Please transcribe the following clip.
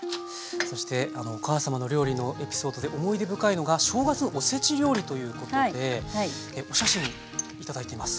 そしてお母様の料理のエピソードで思い出深いのが正月のおせち料理ということでお写真頂いています。